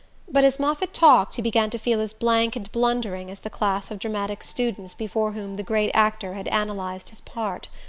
But as Moffatt talked he began to feel as blank and blundering as the class of dramatic students before whom the great actor had analyzed his part.